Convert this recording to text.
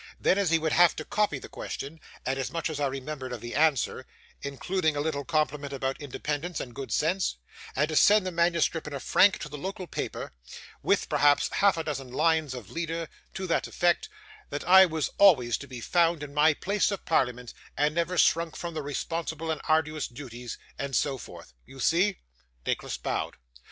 Then, he would have to copy the question, and as much as I remembered of the answer (including a little compliment about independence and good sense); and to send the manuscript in a frank to the local paper, with perhaps half a dozen lines of leader, to the effect, that I was always to be found in my place in parliament, and never shrunk from the responsible and arduous duties, and so forth. You see?' Nicholas bowed.